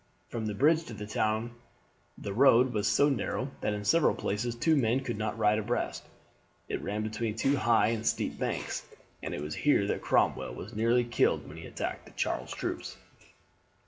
From the bridge to the town the road was so narrow that in several places two men could not ride abreast. It ran between two high and steep banks, and it was here that Cromwell was nearly killed when he attacked Charles's troops.